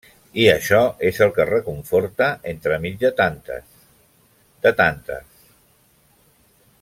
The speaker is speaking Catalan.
I això és el que reconforta entremig de tantes, de tantes…